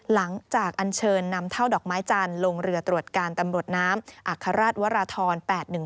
อันเชิญนำเท่าดอกไม้จันทร์ลงเรือตรวจการตำรวจน้ำอัครราชวรทร๘๑๒